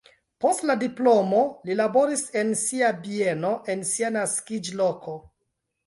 Post la diplomo li laboris en sia bieno en sia naskiĝloko.